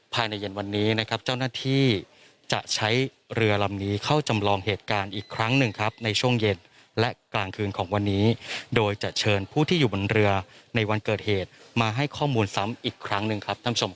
ภายในเย็นวันนี้นะครับเจ้าหน้าที่จะใช้เรือลำนี้เข้าจำลองเหตุการณ์อีกครั้งหนึ่งครับในช่วงเย็นและกลางคืนของวันนี้โดยจะเชิญผู้ที่อยู่บนเรือในวันเกิดเหตุมาให้ข้อมูลซ้ำอีกครั้งหนึ่งครับท่านผู้ชม